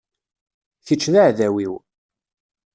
Kečč daεdaw-iw.